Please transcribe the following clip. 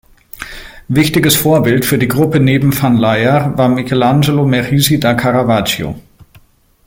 Wichtiges Vorbild für die Gruppe neben van Laer war Michelangelo Merisi da Caravaggio.